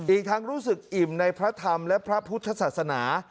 อีกทั้งรู้สึกอิ่มในพระธรรมและพระพุทธศาสนา